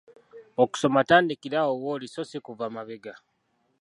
Okusoma tandikira awo w'oli so si kuva mabega.